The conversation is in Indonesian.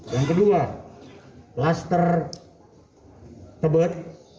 yang kedua kluster tebet